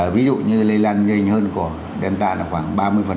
ví dụ như lây lan nhanh hơn của delta là khoảng ba mươi